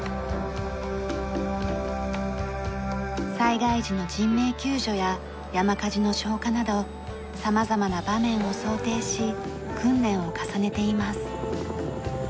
災害時の人命救助や山火事の消火など様々な場面を想定し訓練を重ねています。